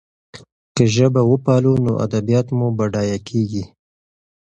که ژبه وپالو نو ادبیات مو بډایه کېږي.